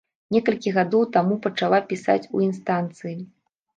Некалькі гадоў таму пачала пісаць у інстанцыі.